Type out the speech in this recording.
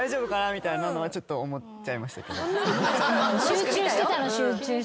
みたいなのはちょっと思っちゃいましたけど。